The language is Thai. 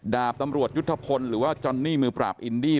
ดาบตำรวจยุทธพลหรือว่าจอนนี่มือปราบอินดี้